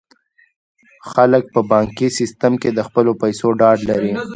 خلک په بانکي سیستم کې د خپلو پیسو ډاډ لري.